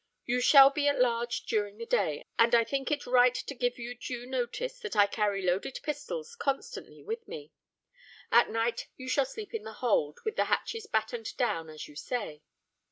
You shall be at large during the day; and I think it right to give you due notice that I carry loaded pistols constantly with me. At night you shall sleep in the hold, with the hatches battened down, as you say.